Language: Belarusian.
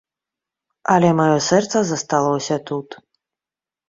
Але маё сэрца засталося тут.